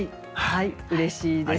うれしいです。